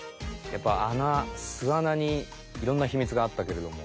やっぱ穴巣穴にいろんなヒミツがあったけれども。